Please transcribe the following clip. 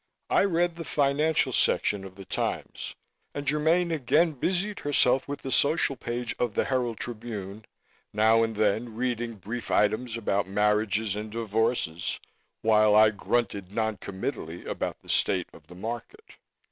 I read the financial section of the "Times" and Germaine again busied herself with the social page of the "Herald Tribune", now and then reading brief items about marriages, and divorces, while I grunted noncommitally about the state of the market.